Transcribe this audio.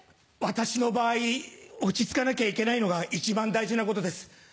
私の場合落ち着かなきゃいけないのが一番大事なことです。